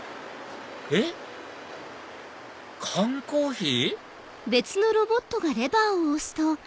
えっ？缶コーヒー？